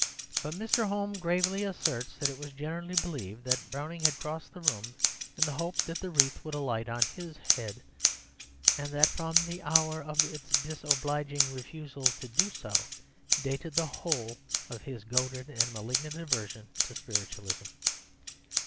But Mr. Home gravely asserts that it was generally believed that Browning had crossed the room in the hope that the wreath would alight on his head, and that from the hour of its disobliging refusal to do so dated the whole of his goaded and malignant aversion to spiritualism.